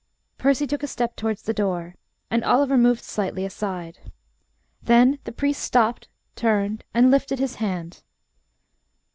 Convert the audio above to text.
Percy took a step towards the door, and Oliver moved slightly aside. Then the priest stopped, turned and lifted his hand.